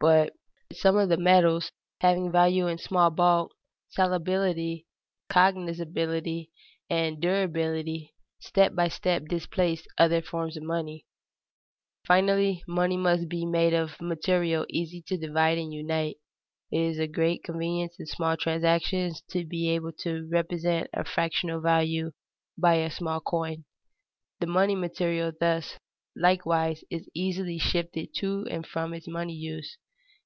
But some of the metals, having value in small bulk, salability, cognizability, and durability, step by step displaced other forms of money. Finally, money must be made of a material easy to divide and unite. It is a great convenience in small transactions to be able to represent a fractional value by a small coin. The money material thus, likewise, is easily shifted to and from its money use.